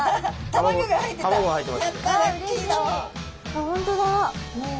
あっ本当だ。